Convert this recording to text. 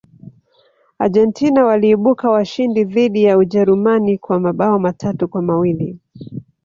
argentina waliibuka washindi dhidi ya ujerumani kwa mabao matatu kwa mawili